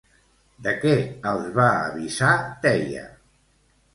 De què els va avisar Teia?